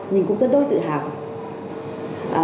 nhưng cũng rất đôi tự hào